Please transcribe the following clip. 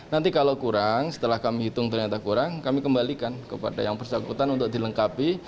nanti kalau kurang setelah kami hitung ternyata kurang kami kembalikan kepada yang bersangkutan untuk dilengkapi